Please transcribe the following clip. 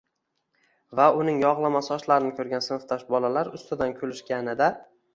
va uning yog‘lama sochlarini ko‘rgan sinfdosh bolalar ustidan kulishganida